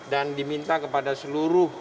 dan diminta kepada seluruh